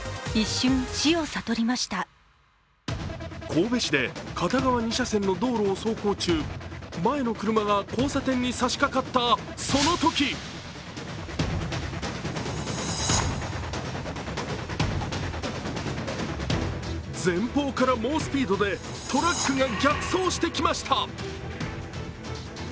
神戸市で片側２車線の道路を走行中、前の車が交差点に差しかかったそのとき前方から猛スピードでトラックが逆走してきました。